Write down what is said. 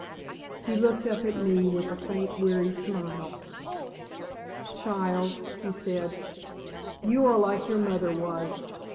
He looked up at me with a faint, weary smile. "Child," he said, "you are like your mother was.